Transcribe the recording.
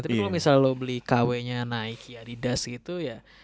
tapi kalau misalnya lo beli kw nya nike adidas gitu ya